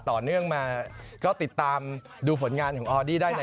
ปีเมื่อไหร่เลข๔อะรู้เลยว่าประมาณเลขนี้ไหน